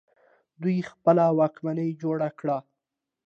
دوی خپله واکمني جوړه کړه